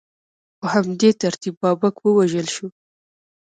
په همدې ترتیب بابک ووژل شو.